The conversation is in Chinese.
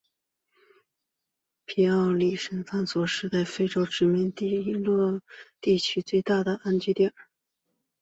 皮奥里亚在探索时代是欧洲殖民者在伊利诺伊地区最大的定居点。